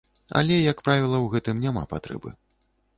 Але, як правіла, у гэтым няма патрэбы.